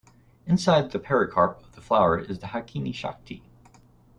Inside the pericarp of the flower is the hakini Shakti.